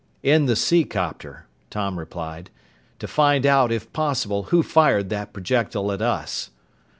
"In the seacopter," Tom replied. "To find out, if possible, who fired that projectile at us."